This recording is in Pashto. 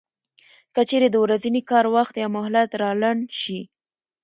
که چېرې د ورځني کار وخت یا مهلت را لنډ شي